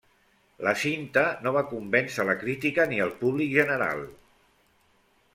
La cinta no va convèncer la crítica ni el públic general.